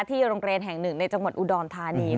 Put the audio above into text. โรงเรียนแห่งหนึ่งในจังหวัดอุดรธานี